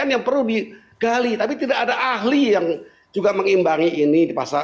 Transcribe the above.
yang juga mengimbangi ini